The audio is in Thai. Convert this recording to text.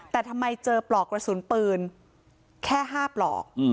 แต่ทำไมเจอปลอกกระสุนปืนแค่๕ปลอก